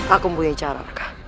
aku punya cara raka